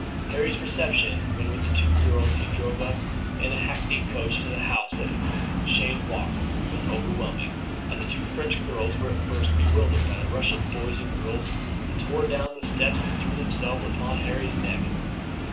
Harry's reception, when with the two girls he drove up in a hackney coach to the house at Cheyne Walk, was overwhelming, and the two French girls were at first almost bewildered by the rush of boys and girls who tore down the steps and threw themselves upon Harry's neck.